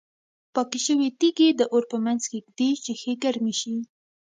پاکې شوې تیږې د اور په منځ کې ږدي چې ښې ګرمې شي.